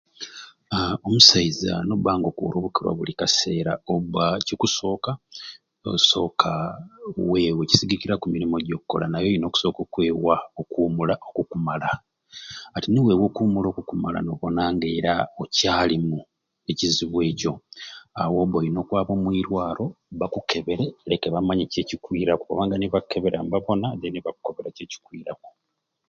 Aaa omusaiza noba nga okura obukwera bwa buli kaseera oba ekikusooka weewe kisigikira ku mirimu gyokola naye oyina okusooka okwewa okuwumula okukumala ate niweewa okuwumula okukumala nobona nga era akyali ne kizibu ekyo awo oba oyina okwaba omwirwalo bakukebere leke bamanye ki ekikwiraku kubanga buli nebakukebera nebabona nebakukobera kiki ekyikwiraku